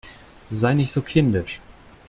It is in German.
Sei nicht so kindisch!